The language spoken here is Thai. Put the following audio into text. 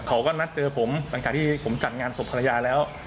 เขาก็นัดเจอผมหลังจากที่ผมจัดงานศพภรรยาแล้ว